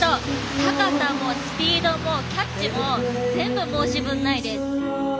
高さもスピードもキャッチも全部申し分ないです。